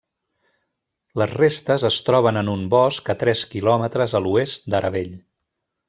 Les restes es troben en un bosc a tres quilòmetres a l'oest d'Aravell.